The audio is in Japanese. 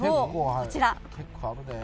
こちら。